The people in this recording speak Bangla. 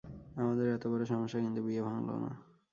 আমাদের এত বড় সমস্যা, কিন্তু বিয়ে ভাঙল না।